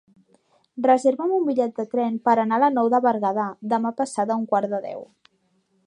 Reserva'm un bitllet de tren per anar a la Nou de Berguedà demà passat a un quart de deu.